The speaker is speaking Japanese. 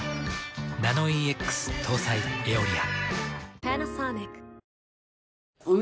ナノイーＸ搭載「エオリア」。